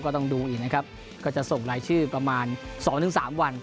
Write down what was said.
ต้องดูอีกนะครับก็จะส่งรายชื่อประมาณ๒๓วัน